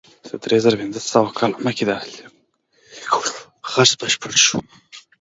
تر درې زره پنځه سوه کاله مخکې د اهلي کولو څرخ بشپړ شو.